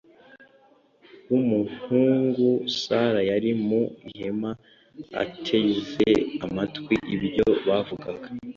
w umuhungu Sara yari mu ihema ateze amatwi ibyo bavugaga